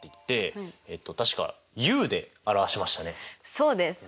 そうです。